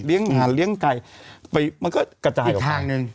เลี้ยงผันเลี้ยงไก่มันก็กระจายออกไป